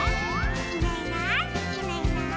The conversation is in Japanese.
「いないいないいないいない」